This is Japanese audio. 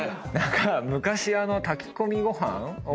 昔炊き込みご飯を。